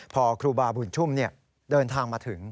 พอครูบาบุญชุ่มเดินทางมาถึง